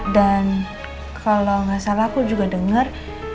dan kalau gak salah aku juga denger